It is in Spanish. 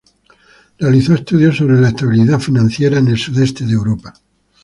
Realizó estudios sobre la estabilidad financiera en el sudeste de Europa.